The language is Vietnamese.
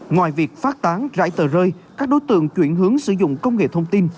ngoài việc phát tán rải tờ rơi các đối tượng chuyển hướng sử dụng công nghệ thông tin